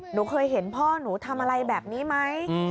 หนูเคยเห็นพ่อหนูทำอะไรแบบนี้ไหม